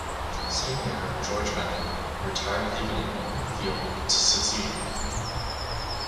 Sitting mayor George Manning retired leaving an open field to succeed him.